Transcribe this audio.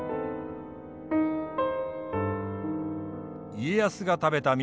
家康が食べた味